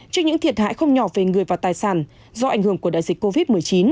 trước những thiệt hại không nhỏ về người và tài sản do ảnh hưởng của đại dịch covid một mươi chín